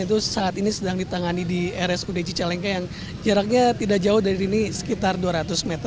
itu saat ini sedang ditangani di rsud cicalengka yang jaraknya tidak jauh dari ini sekitar dua ratus meter